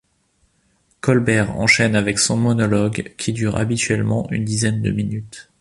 Colbert enchaîne avec son monologue qui dure habituellement une dizaine de minutes.